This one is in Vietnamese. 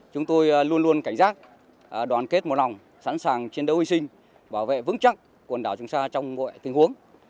chúng tôi luôn luôn cảnh giác đoàn kết một lòng sẵn sàng chiến đấu y sinh bảo vệ vững chắc quần đảo trường sa trong mọi tình huống